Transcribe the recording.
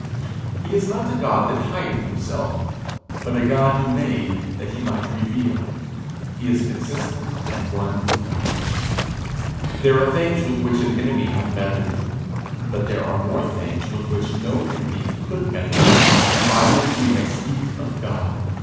He is not a God that hideth himself, but a God who made that he might reveal; he is consistent and one throughout. There are things with which an enemy hath meddled; but there are more things with which no enemy could meddle, and by which we may speak of God.